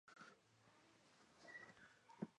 Viena; Wiener Ill.